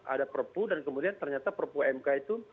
ada perpu dan kemudian ternyata perpu mk itu